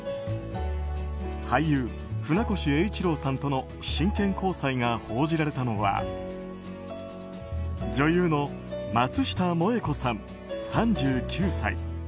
俳優・船越英一郎さんとの真剣交際が報じられたのは女優の松下萌子さん、３９歳。